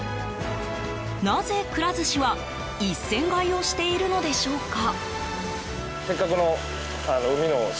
なぜ、くら寿司は一船買いをしているのでしょうか？